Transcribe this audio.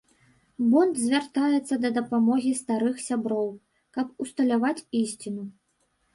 Бонд звяртаецца да дапамогі старых сяброў, каб усталяваць ісціну.